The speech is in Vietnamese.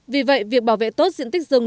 vì vậy việc bảo vệ tốt diện tích rừng